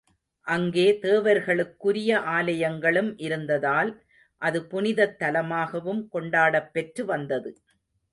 அங்கே தேவர்களுக்குரிய ஆலயங்களும் இருந்ததால், அது புனிதத் தலமாகவும் கொண்டாடப்பெற்று வந்தது.